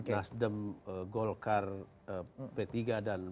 nasdem golkar p tiga dan